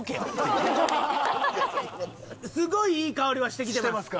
すごいいい香りはしてきてます。